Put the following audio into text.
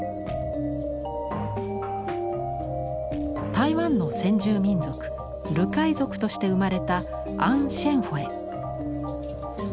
台湾の先住民族ルカイ族として生まれたアン・シェンホェ。